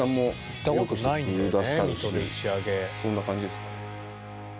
そんな感じですかね。